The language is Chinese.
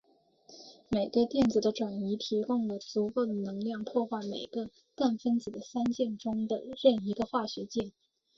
每个电子的转移提供了足够的能量破坏每个氮分子的三键中的任一个化学键。